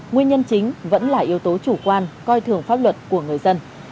nguyên nhân chính vẫn là yếu tố chủ quan coi thường pháp luật của người dân